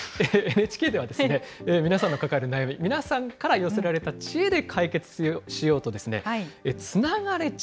ＮＨＫでは、皆さんの抱える悩み、皆さんから寄せられた知恵で解決しようと、つながれ！